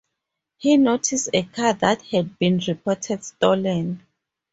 He noticed a car that had been reported stolen.